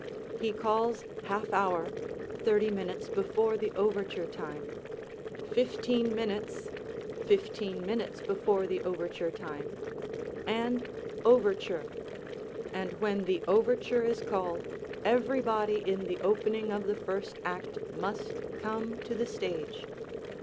He calls "half hour," thirty minutes before the overture time, "fifteen minutes," fifteen minutes before the overture time, and "overture," and when the overture is called everybody in the opening of the first act must come to the stage.